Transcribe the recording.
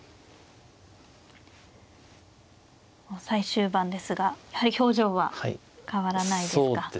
最終盤ですがやはり表情は変わらないですか。